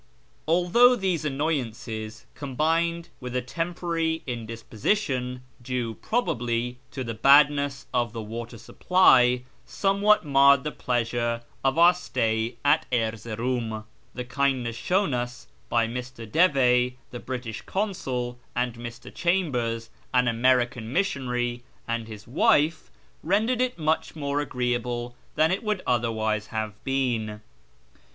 Although these annoyances, combined with a temporary indisposition (due, probably, to the badness of the water supply), somewhat marred the pleasure of our stay in Erzeroum, the kindness shown us by Mr. Devey, the British Consul, and Mr. Chambers, an American missionary, and his wife, rendered it much more agreeable than it would otherwise have been.